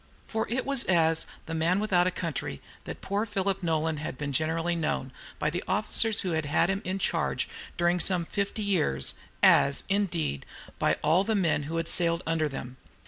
For it was as "The Man without a Country" that poor Philip Nolan had generally been known by the officers who had him in charge during some fifty years, as, indeed, by all the men who sailed under them.